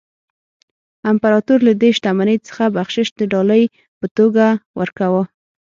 امپراتور له دې شتمنۍ څخه بخشش د ډالۍ په توګه ورکاوه.